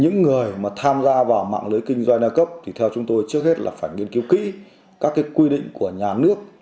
những người mà tham gia vào mạng lưới kinh doanh đa cấp thì theo chúng tôi trước hết là phải nghiên cứu kỹ các quy định của nhà nước